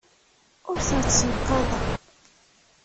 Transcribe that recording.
Ur tent-ssenqaḍeɣ.